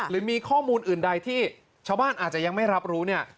หรือมีข้อมูลอื่นใดที่ชาวบ้านอาจจะยังไม่รับรู้เนี่ย